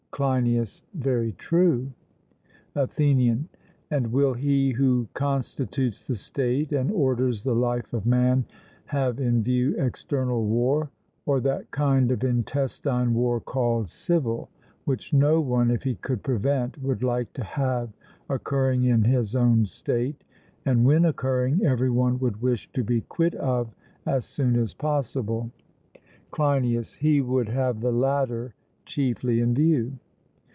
CLEINIAS: Very true. ATHENIAN: And will he who constitutes the state and orders the life of man have in view external war, or that kind of intestine war called civil, which no one, if he could prevent, would like to have occurring in his own state; and when occurring, every one would wish to be quit of as soon as possible? CLEINIAS: He would have the latter chiefly in view.